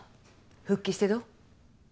復帰してどう？